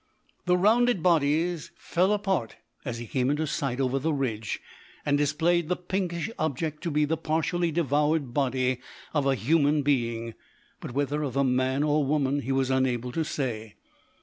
The rounded bodies fell apart as he came into sight over the ridge, and displayed the pinkish object to be the partially devoured body of a human being, but whether of a man or woman he was unable to say.